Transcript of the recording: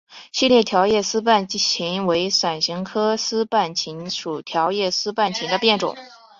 细裂条叶丝瓣芹为伞形科丝瓣芹属条叶丝瓣芹的变种。